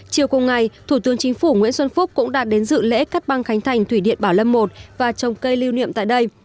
chiều cùng ngày thủ tướng chính phủ nguyễn xuân phúc cũng đã đến dự lễ cắt băng khánh thành thủy điện bảo lâm một và trồng cây lưu niệm tại đây